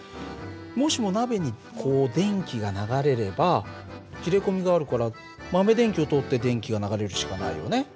もしも鍋にこう電気が流れれば切れ込みがあるから豆電球を通って電気が流れるしかないよね。